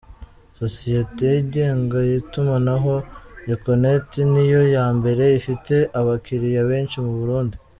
Sosiyete yigenga y’itumanaho Econet niyo ya mbere ifite abakiriya benshi mu Burundi.